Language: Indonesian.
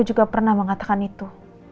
juga pernah mengatakan itu